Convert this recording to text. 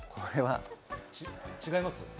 違います？